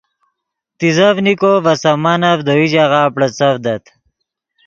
تیزڤنیکو ڤے سامانف دے یو ژاغہ بڑیڅڤدت